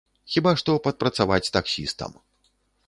Хіба што падпрацаваць таксістам.